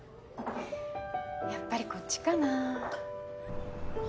やっぱりこっちかな？